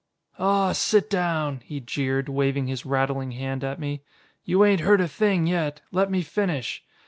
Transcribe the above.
"Aw, sit down!" he jeered, waving his rattling hand at me. "You ain't heard a thing yet. Let me finish.